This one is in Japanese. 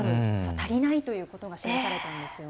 足りないということが示されたんです。